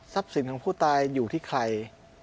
ทรัพย์สินของผู้ตายอยู่ที่ใคร